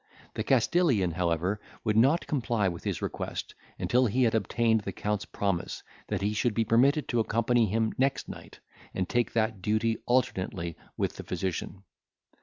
The Castilian, however, would not comply with his request, until he had obtained the Count's promise, that he should be permitted to accompany him next night, and take that duty alternately with the physician.